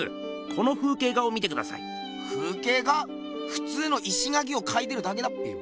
ふつうの石垣を描いてるだけだっぺ。